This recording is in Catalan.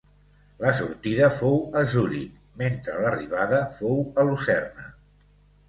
La sortida fou a Zuric, mentre l'arribada fou a Lucerna.